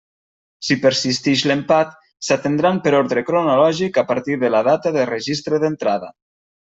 Si persistix l'empat, s'atendran per orde cronològic a partir de la data de registre d'entrada.